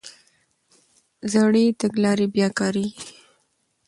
زړې تګلارې بیا کارېږي.